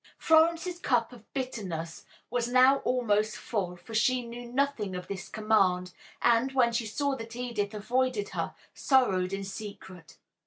Florence's cup of bitterness was now almost full, for she knew nothing of this command, and, when she saw that Edith avoided her, sorrowed in secret.